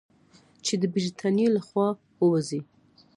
چې د برټانیې له خاورې ووځي.